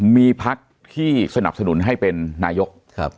มีพักที่สนับสนุนให้เป็นนายก